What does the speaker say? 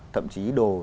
thậm chí đồ